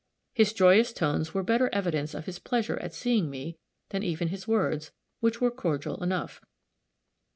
His joyous tones were better evidence of his pleasure at seeing me, than even his words, which were cordial enough.